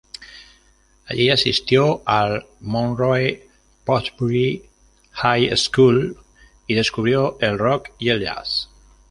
Allí asistió al Monroe-Woodbury High School y descubrió el rock y el jazz.